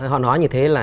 họ nói như thế là